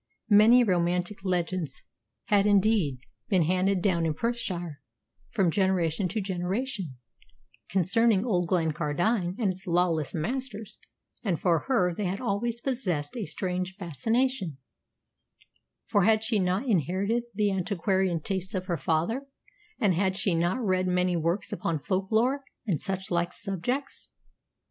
Many romantic legends had, indeed, been handed down in Perthshire from generation to generation concerning old Glencardine and its lawless masters, and for her they had always possessed a strange fascination, for had she not inherited the antiquarian tastes of her father, and had she not read many works upon folklore and such like subjects.